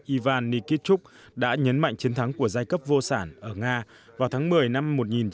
ivan nikitchuk đã nhấn mạnh chiến thắng của giai cấp vô sản ở nga vào tháng một mươi năm một nghìn chín trăm bảy mươi